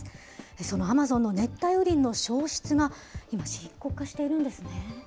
そのアマゾンの熱帯雨林の消失が今、深刻化しているんですね。